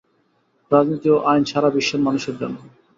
রাজনীতি ও আইন সারা বিশ্বের মানুষের জন্য।